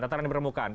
tentara di permukaan